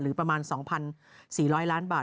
ประมาณ๒๔๐๐ล้านบาท